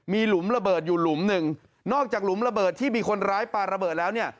มีหลุมระเบิดอยู่หลุมหนึ่งนอกจากหลุมระเบิดที่มีคนร้ายปลาระเบิดแล้วเนี่ย